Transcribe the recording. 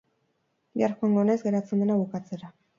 Bihar joango naiz geratzen dena bukatzera.